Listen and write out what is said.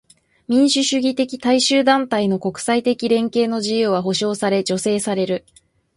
民主主義的大衆団体の国際的連携の自由は保障され助成される。